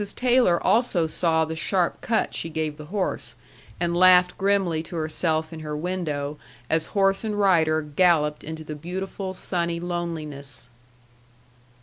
Taylor also saw the sharp cut she gave the horse, and laughed grimly to herself in her window as horse and rider galloped into the beautiful sunny loneliness.